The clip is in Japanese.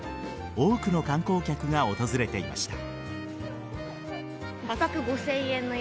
多くの観光客が訪れていました。